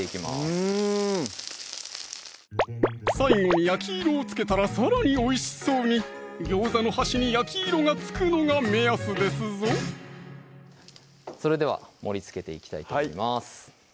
うん最後に焼き色をつけたらさらにおいしそうにギョーザの端に焼き色がつくのが目安ですぞそれでは盛りつけていきたいと思います